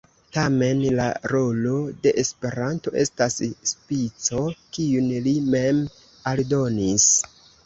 Tamen la rolo de Esperanto estas spico, kiun li mem aldonis.